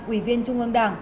ủy viên trung ương đảng